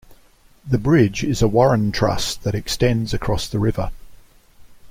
The bridge is a Warren truss that extends across the river.